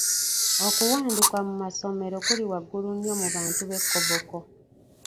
Okuwanduka mu masomero kuli waggulu nnyo mu bantu b'e Koboko.